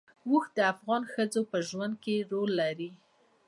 اوښ د افغان ښځو په ژوند کې رول لري.